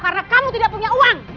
karena kamu tidak punya uang